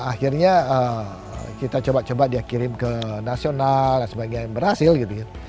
akhirnya kita coba coba dia kirim ke nasional dan sebagainya berhasil gitu ya